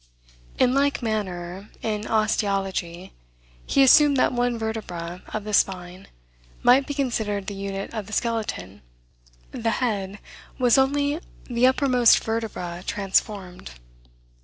In like manner, in osteology, he assumed that one vertebra of the spine might be considered the unit of the skeleton; the head was only the uppermost vertebra transformed.